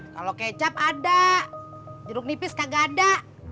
kalau kecap ada jeruk nipis kagak ada